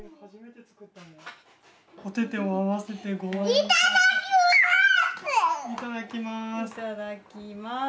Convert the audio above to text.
いただきます。